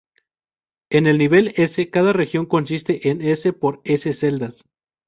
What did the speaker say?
En el nivel "s", cada región consiste en "s" por "s" celdas.